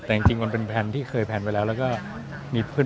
แต่นำเป็นแล้วเคยก็ยังไม่งั้นเลย